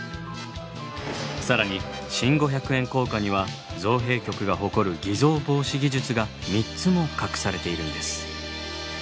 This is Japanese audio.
更に新五百円硬貨には造幣局が誇る偽造防止技術が３つも隠されているんです。